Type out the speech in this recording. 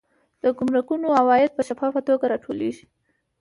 د ګمرکونو عواید په شفافه توګه راټولیږي.